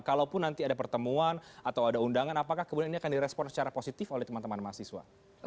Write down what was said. kalaupun nanti ada pertemuan atau ada undangan apakah kemudian ini akan direspon secara positif oleh teman teman mahasiswa